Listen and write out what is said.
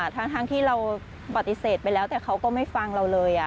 ทั้งที่เราปฏิเสธไปแล้วแต่เขาก็ไม่ฟังเราเลย